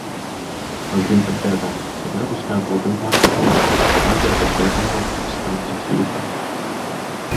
Mazima ddala singa lukya ng'oli mu maka go, teewandyagadde baana bo kukussaamu kitiibwa!